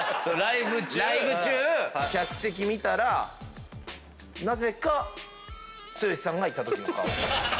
ライブ中客席見たらなぜか剛さんがいたときの顔。